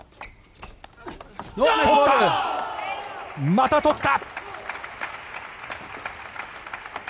また取った！